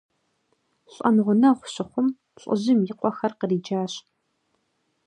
Лӏэн гъунэгъу щыхъум, лӏыжьым и къуэхэр къриджащ.